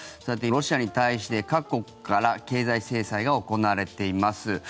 ロシアに対して各国から経済制裁が行われています。